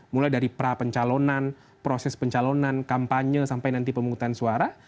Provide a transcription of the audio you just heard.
mulai dari pra pencalonan proses pencalonan kampanye sampai nanti pemungutan suara